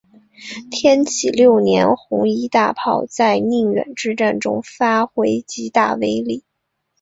天启六年红夷大炮在宁远之战中发挥极大威力。